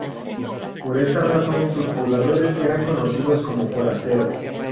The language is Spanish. Por esta razón sus pobladores eran conocidos como "Forasteros".